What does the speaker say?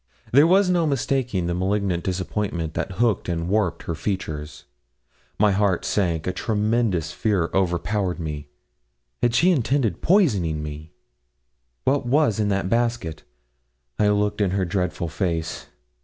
There was no mistaking the malignant disappointment that hooked and warped her features my heart sank a tremendous fear overpowered me. Had she intended poisoning me? What was in that basket? I looked in her dreadful face.